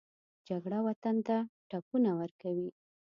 جګړه وطن ته ټپونه ورکوي